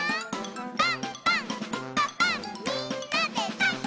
「パンパンんパパンみんなでパン！」